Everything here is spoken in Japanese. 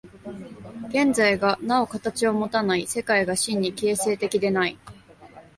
現在がなお形をもたない、世界が真に形成的でない。